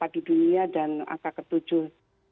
di dunia dan angka ketujuh